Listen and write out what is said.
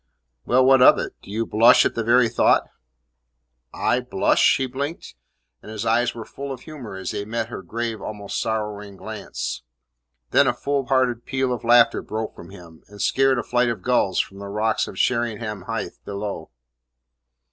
"Well, what of it? Do you blush at the very thought?" "I blush?" He blinked, and his eyes were full of humour as they met her grave almost sorrowing glance. Then a full hearted peal of laughter broke from him, and scared a flight of gulls from the rocks of Sheringham Hithe below.